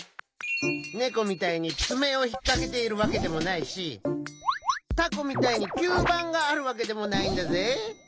ネコみたいにつめをひっかけているわけでもないしタコみたいにきゅうばんがあるわけでもないんだぜ？